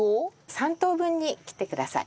３等分に切ってください。